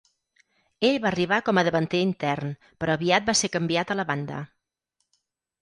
Ell va arribar com a davanter intern, però aviat va ser canviat a la banda.